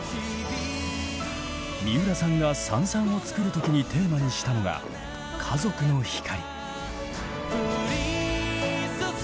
三浦さんが「燦燦」を作る時にテーマにしたのが家族の光。